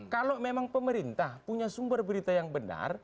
kalau memang pemerintah punya sumber berita yang benar